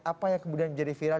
apa yang kemudian jadi viral